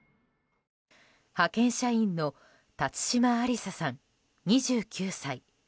派遣社員の辰島ありささん２９歳。